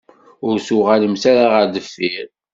Ur tuγalemt ara γer deffir